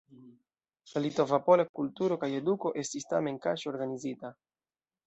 La Litova-Pola kulturo kaj eduko estis tamen kaŝe organizita.